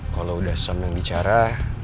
kalau udhassam yang bicara